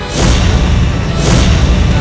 dan menangkan mereka